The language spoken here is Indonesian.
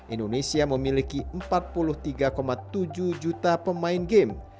indonesia memiliki empat puluh tiga tujuh juta pemain game